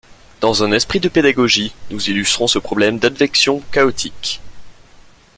Dans un esprit de pédagogie nous illustrons ce phénomène d'advection chaotique